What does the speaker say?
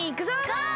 ゴー！